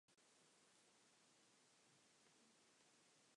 It has a picnic area and walking trails along the river.